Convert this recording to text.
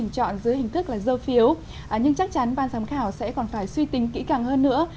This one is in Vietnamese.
câu lạc bộ sẽ còn phải suy tính kỹ càng hơn nữa